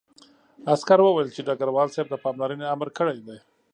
عسکر وویل چې ډګروال صاحب د پاملرنې امر کړی دی